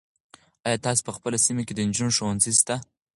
آیا ستاسو په سیمه کې د نجونو ښوونځی سته؟